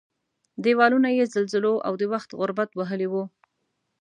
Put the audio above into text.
دېوالونه یې زلزلو او د وخت غربت وهلي وو.